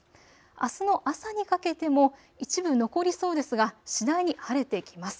あすの朝にかけても一部、残りそうですが次第に晴れてきます。